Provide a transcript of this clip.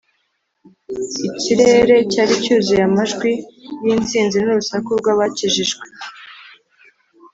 ikirere cyari cyuzuye amajwi y’intsinzi n’urusaku rw’abakijijwe